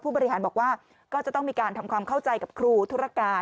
บริหารบอกว่าก็จะต้องมีการทำความเข้าใจกับครูธุรการ